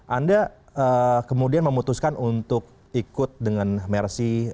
anda kemudian memutuskan untuk ikut dengan mercy